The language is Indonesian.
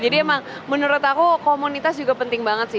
jadi emang menurut aku komunitas juga penting banget sih